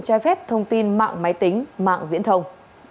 trai phép thông tin mạng máy tính mạng viễn thông